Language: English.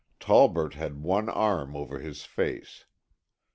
Tolbert had one arm over his face.